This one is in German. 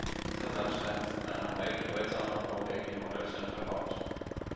Dieser Sandstein ist in einer Reihe bedeutsamer Bauwerke in Norddeutschland verbaut.